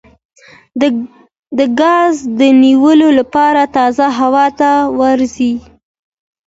د ګاز د نیولو لپاره تازه هوا ته ووځئ